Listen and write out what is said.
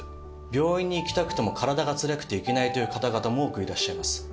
病院に行きたくても体がつらくて行けないという方々も多くいらっしゃいます。